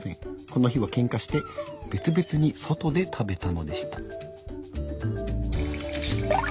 この日はけんかして別々に外で食べたのでした。